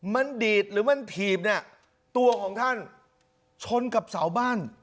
มันดีดหรือมันถีบเนี่ยตัวของท่านชนกับเสาบ้าน